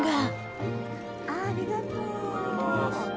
ありがとう。